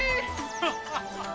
ハハハハッ！